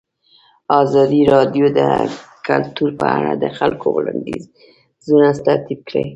ازادي راډیو د کلتور په اړه د خلکو وړاندیزونه ترتیب کړي.